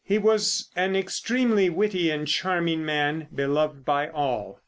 He was an extremely witty and charming man, beloved by all.